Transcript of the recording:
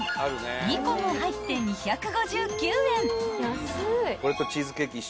［２個も入って２５９円］